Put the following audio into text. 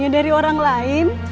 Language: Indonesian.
dari orang lain